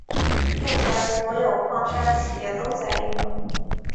目前所有的矿山企业都在应用。